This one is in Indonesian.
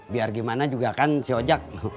biar gimana juga kan si ojek